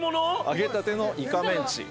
揚げたてのイカメンチ。